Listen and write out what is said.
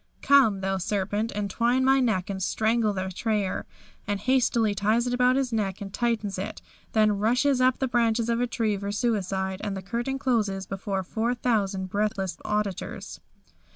Come, thou serpent, entwine my neck and strangle the betrayer," and hastily ties it about his neck and tightens it, then rushes up to the branch of a tree for suicide, and the curtain closes before the 4,000 breathless auditors.